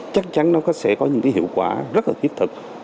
chắc chắn nó sẽ có những cái hiệu quả rất là thiết thực